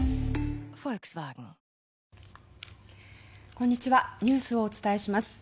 こんにちはニュースをお伝えします。